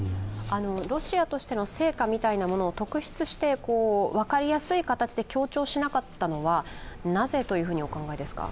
ロシアとしての成果みたいなものを特出して分かりやすい形で強調しなかったのはなぜとお考えですか？